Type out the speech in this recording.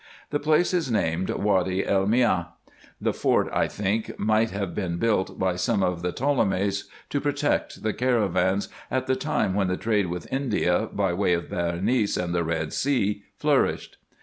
The place is named Wady el Meeah. The fort, I think, must have been built by some of the Ptolemies, to protect the caravans, at the time when the trade with India, by the way of Berenice and the Bed Sea, flourished.